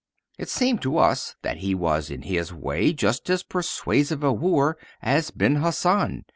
It seemed to us that he was in his way just as persuasive a wooer as Ben Hassan.